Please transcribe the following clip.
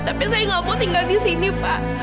tapi saya gak mau tinggal disini pak